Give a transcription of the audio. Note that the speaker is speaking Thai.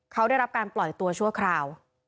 เขาได้รับการปล่อยตัวชั่วคราว